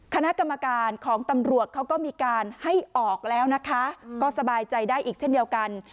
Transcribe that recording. คณะกรรมการของตำรวจเขาก็มีการให้ออกแล้วนะคะก็สบายใจได้อีกเช่นเดียวกัน